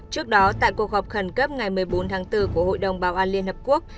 trước đó tại cuộc họp khẩn cấp ngày một mươi bốn tháng bốn của hội đồng bảo an liên hợp quốc